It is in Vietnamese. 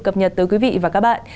cập nhật tới quý vị và các bạn